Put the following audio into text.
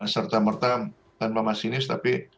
serta merta tanpa masinis tapi